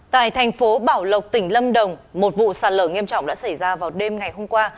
tại thành phố bảo lộc tỉnh lâm đồng một vụ sạt lở nghiêm trọng đã xảy ra vào đêm ngày hôm qua